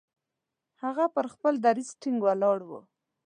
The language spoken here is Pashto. هغه پر خپل دریځ ټینګ ولاړ وو.